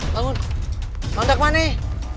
bangun mandak money